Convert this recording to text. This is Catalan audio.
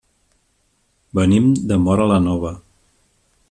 Venim de Móra la Nova.